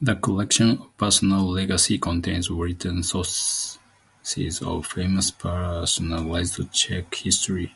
The collection of personal legacy contains written sources of famous personalities of Czech history.